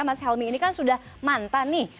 mas helmi ini kan sudah mantan nih